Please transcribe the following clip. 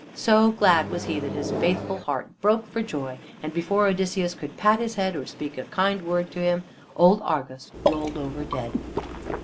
So glad was he that his faithful heart broke for joy, and before Odysseus could pat his head or speak a kind word to him, old Argos rolled over dead.